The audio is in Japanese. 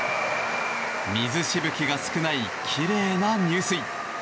水しぶきが少ないきれいな入水。